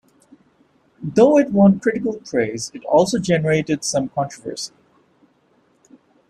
Though it won critical praise, it also generated some controversy.